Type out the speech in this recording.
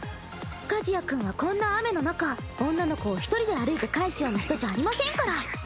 和也君はこんな雨の中女の子を１人で歩いて帰すような人じゃありませんから。